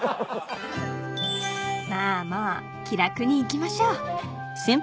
［まあまあ気楽にいきましょう］